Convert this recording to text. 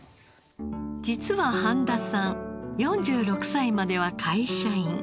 実は半田さん４６歳までは会社員。